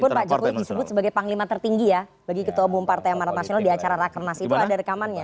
meskipun pak jokowi disebut sebagai panglima tertinggi ya bagi ketua umum partai amarat nasional di acara rakernas itu ada rekamannya